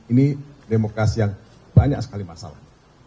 ini demokrasi yang banyak sekali masalah